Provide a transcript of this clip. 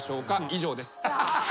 以上です。